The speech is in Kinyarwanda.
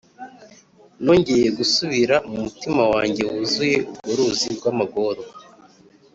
nongeye gusubira mu mutima wanjye wuzuye urwo ruzi rw'amagorwa